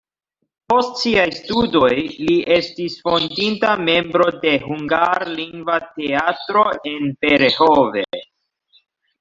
Post siaj studoj li estis fondinta membro de hungarlingva teatro en Berehove.